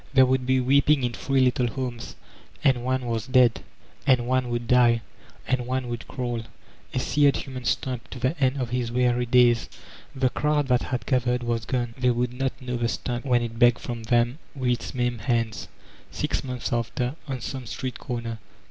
There woald be weeping in three little homes ; and one was dead, and one would die, and one would crawl, a seared human stump, to the end of his weary days. The crowd that had gathered was gone; they would not know the Stump when it begged from them with its maimed hands, six months after, on some street comer.